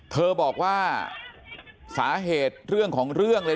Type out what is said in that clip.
เธอบอกว่าสาเหตุเรื่องของเรื่องเลย